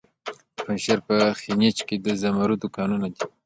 د پنجشیر په خینج کې د زمرد کانونه دي.